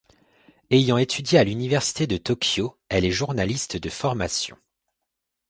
Ayant étudié à l'université de Tokyo, elle est journaliste de formation.